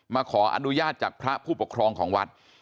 มาขออนุญาตจากพระผู้ปกครองของวัด